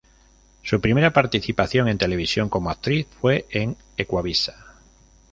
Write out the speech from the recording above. Su primera participación en televisión como actriz fue en Ecuavisa.